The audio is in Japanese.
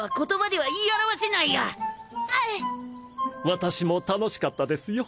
私も楽しかったですよ。